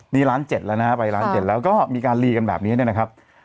นี่ล้านเจ็ดแล้วนะครับไปล้านเจ็ดแล้วก็มีการลีกันแบบนี้นะครับ